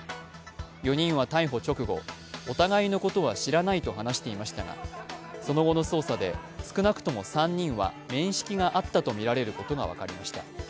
４人は逮捕直後、お互いのことは知らないと話していましたが、その後の捜査で、少なくとも３人は面識があったとみられることが分かりました。